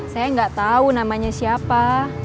saya gak tau namanya siapa